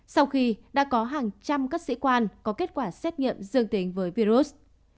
sau khi đã có hàng trăm các sĩ quan có kết quả xét nghiệm dương tính với virus